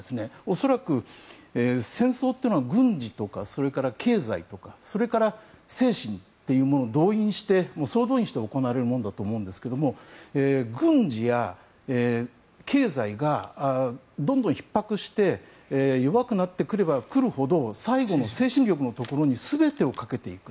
恐らく、戦争というのは軍事とか経済とかそれから精神というものを動員して総動員して行われるものだと思うんですが軍事や経済がどんどんひっ迫して弱くなってくればくるほど最後の精神力のところに全てをかけていく。